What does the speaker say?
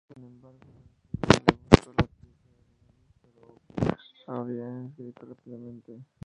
Sin embargo, a Balákirev le gustó la pieza, que Rimski-Kórsakov había escrito rápidamente.